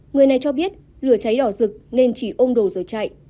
người này cho biết lửa cháy đỏ rực nên chỉ ôm đồ rồi chạy